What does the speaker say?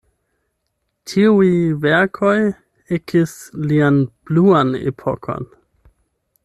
Tiuj verkoj ekis lian "bluan epokon".